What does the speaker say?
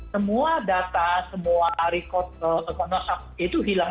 semua data semua record akun whatsapp itu hilang